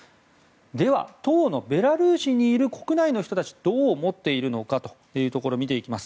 では、当のベラルーシにいる国内にいる人たちどう思っているかを見ていきます。